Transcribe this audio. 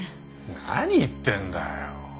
何言ってんだよ。